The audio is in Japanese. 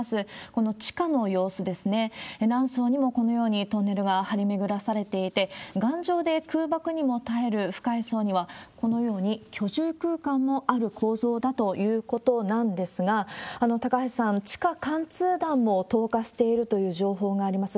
この地下の様子ですね、何層にもこのようにトンネルが張り巡らされていて、頑丈で空爆にも耐える深い層には、このように居住空間もある構造だということなんですが、高橋さん、地下貫通弾も投下しているという情報があります。